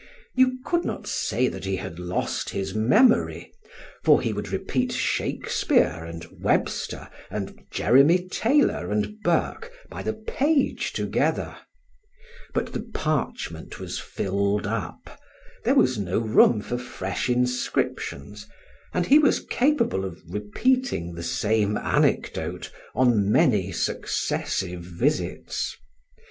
You could not say that he had lost his memory, for he would repeat Shakespeare and Webster and Jeremy Taylor and Burke by the page together; but the parchment was filled up, there was no room for fresh inscriptions, and he was capable of repeating the same anecdote on many successive visits.